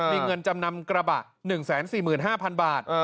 มีเงินจำนำกระบะ๑๔๕๐๐๐บาท